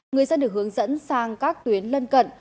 người dân được hướng dẫn sang các tuyến lân cận